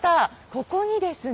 ここにですね